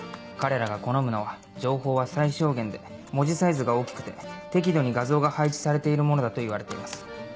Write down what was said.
彼らが好むのは情報は最小限で文字サイズが大きくて適度に画像が配置されているものだといわれています。